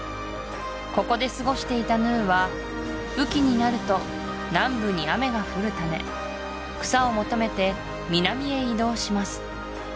ここで過ごしていたヌーは雨季になると南部に雨が降るため草を求めて南へ移動します